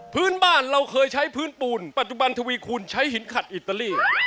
พื้นบ้านเราเคยใช้พื้นปูนปัจจุบันทวีคูณใช้หินขัดอิตาลี